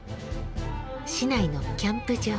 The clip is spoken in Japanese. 市内のキャンプ場。